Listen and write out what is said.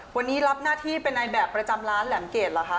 วันนี้รับหน้าที่เป็นในแบบประจำร้านแหลมเกรดเหรอคะ